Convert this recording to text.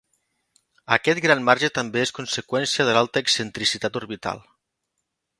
Aquest gran marge també és conseqüència de l'alta excentricitat orbital.